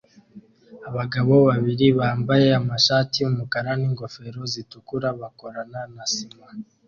Abagabo babiri bambaye amashati yumukara ningofero zitukura bakorana na sima